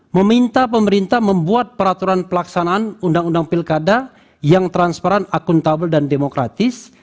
meminta pemerintah membuat peraturan pelaksanaan undang undang pilkada yang transparan akuntabel dan demokratis